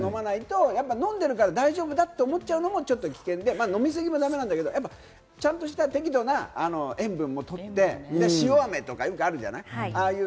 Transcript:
飲んでるから大丈夫だと思っちゃうのも危険で、飲み過ぎもだめだけど、ちゃんとした適度な塩分も取って、塩アメとかあるじゃない。